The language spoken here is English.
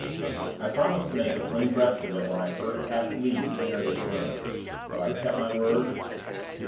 "I promised to make a clean breast of it when I first asked leave to enter this room. Have I kept my word?"